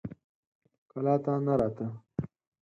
کلا ته نه راته.